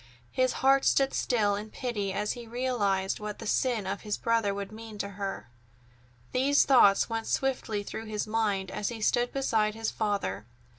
His heart stood still in pity as he realized what the sin of his brother would mean to her. These thoughts went swiftly through his mind as he stood beside his father.